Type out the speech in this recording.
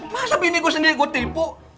masa bini gue sendiri yang gue tipu